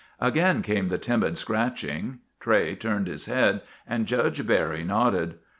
Again came the timid scratching. Tray turned his head and Judge Barry nodded.